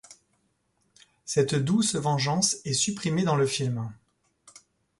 Cette douce vengeance est supprimée dans le film.